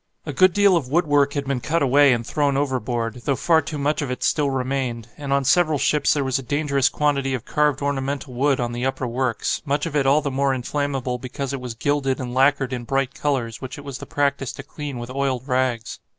A good deal of woodwork had been cut away and thrown overboard, though far too much of it still remained, and on several ships there was a dangerous quantity of carved ornamental wood on the upper works, much of it all the more inflammable because it was gilded and lacquered in bright colours which it was the practice to clean with oiled rags.